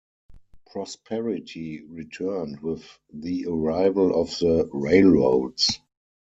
Prosperity returned with the arrival of the railroads.